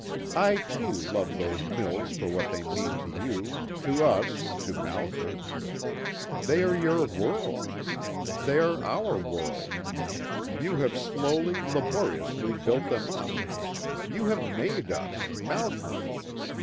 I, too, love those mills for what they mean to you, to us, to Malkern. They are your world. They are our world. You have slowly, laboriously built them up. You have made us Malkern.